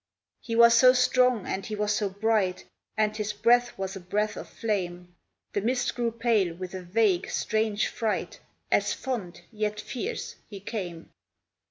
He was so strong and he was so bright, And his breath was a breath of flame; The Mist grew pale with a vague, strange fright, As fond, yet fierce, he came.